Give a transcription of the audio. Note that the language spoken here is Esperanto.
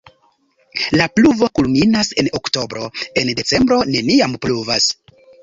La pluvo kulminas en oktobro, en decembro neniam pluvas.